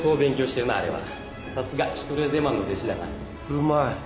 うまい。